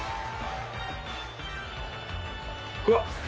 うわっ。